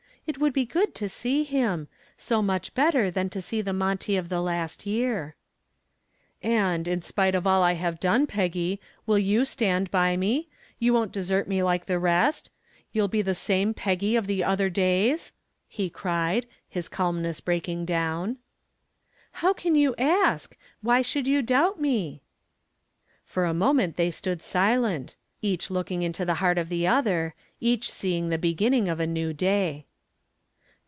"It would be good to see him so much better than to see the Monty of the last year." "And, in spite of all I have done, Peggy, you will stand by me? You won't desert me like the rest? You'll be the same Peggy of the other days?" he cried, his calmness breaking down. "How can you ask? Why should you doubt me?" For a moment they stood silent, each looking into the heart of the other, each seeing the beginning of a new day.